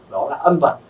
đó là âm vật